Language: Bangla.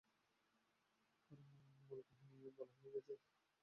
কারণ মূল কাহিনী বলা হয়ে গেছে।